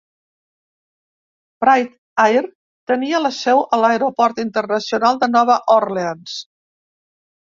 Pride Air tenia la seu a l'aeroport internacional de Nova Orleans.